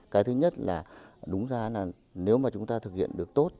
cái thứ nhất là đúng ra là nếu mà chúng ta thực hiện được tốt